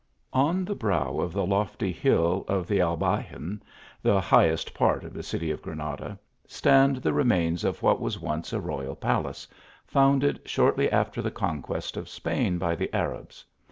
ON the brow of the lofty hill of the Albaycin, the highest part of the city of Granada, stand the remains of what was once a royal palace, founded shortly aftei the conquest of Spain by the Arabs.